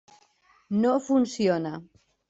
No funciona.